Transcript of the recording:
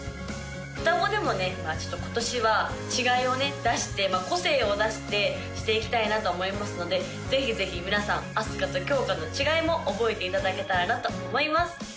双子でもねまあちょっと今年は違いをね出して個性を出してしていきたいなと思いますのでぜひぜひ皆さんあすかときょうかの違いも覚えていただけたらなと思います